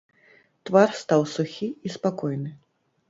Твар стаў сухі і спакойны.